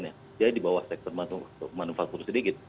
jadi di bawah sektor manufaktur sedikit